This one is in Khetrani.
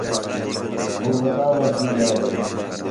ہو وتاوں چین٘دا ہِے